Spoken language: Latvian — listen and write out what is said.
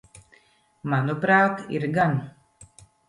Manuprāt, ir gan.